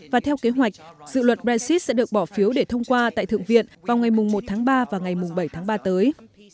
và theo kế hoạch dự luật brexit sẽ được bỏ phiếu để thông qua tại thượng viện vào ngày một tháng ba và ngày bảy tháng ba tới